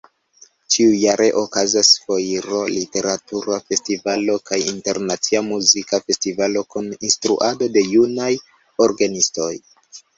Ĉiujare okazas foiro, literatura festivalo kaj internacia muzika festivalo kun instruado de junaj orgenistoj.